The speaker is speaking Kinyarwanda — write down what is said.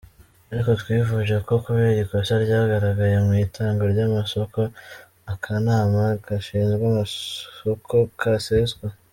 Ariko twifuje ko kubera ikosa ryagaragaye mu itangwa ry’amasoko, akanama gashinzwe amasoko kaseswa."